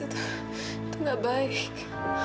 itu itu gak baik